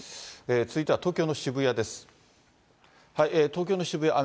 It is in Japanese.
続いては東京の渋谷です。